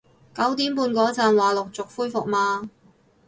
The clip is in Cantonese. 九點半嗰陣話陸續恢復嘛